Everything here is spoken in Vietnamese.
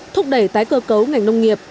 thúc đẩy tái cơ cấu ngành nông nghiệp